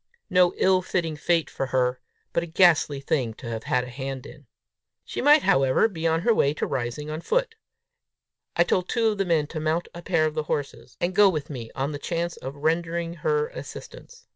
no ill fitting fate for her, but a ghastly thing to have a hand in! She might, however, be on her way to Rising on foot! I told two of the men to mount a pair of the horses, and go with me on the chance of rendering her assistance.